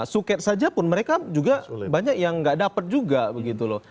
suket saja pun mereka juga banyak yang nggak dapat juga begitu loh